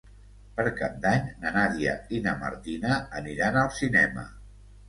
Per Cap d'Any na Nàdia i na Martina aniran al cinema.